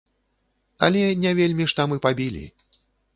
Але не вельмі ж там і пабілі.